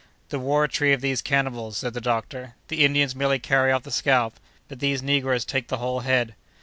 "The war tree of these cannibals!" said the doctor; "the Indians merely carry off the scalp, but these negroes take the whole head."